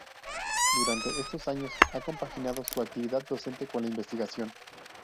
Durante estos años ha compaginado su actividad docente con la investigación.